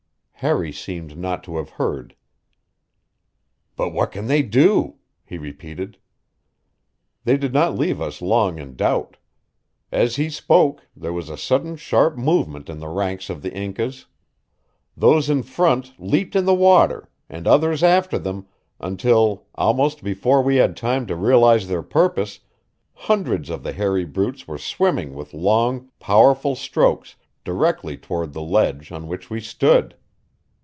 Harry seemed not to have heard. "But what can they do?" he repeated. They did not leave us long in doubt. As he spoke there was a sudden sharp movement in the ranks of the Incas. Those in front leaped in the water, and others after them, until, almost before we had time to realize their purpose, hundreds of the hairy brutes were swimming with long, powerful strokes directly toward the ledge on which we stood.